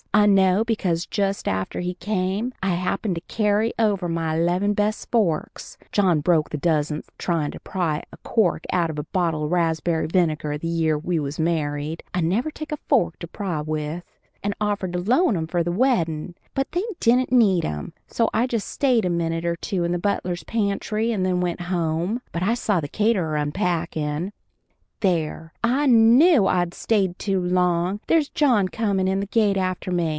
I know, because just after he came I happened to carry over my eleven best forks John broke the dozenth tryin' to pry the cork out of a bottle of raspberry vinegar the year we was married I never take a fork to pry with and offered to loan 'em for the weddin', but they didn't need 'em, so I just stayed a minute or two in the butler's pantry and then went home but I saw the caterer unpackin'. There! I knew I'd stay too long! There's John comin' in the gate after me.